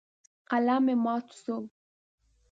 قلم مې مات شو.